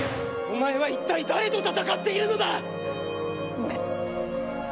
お前は一体誰と戦っているのだ⁉ごめん。